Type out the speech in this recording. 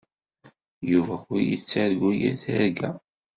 Yuba ur yettargu yir tirga.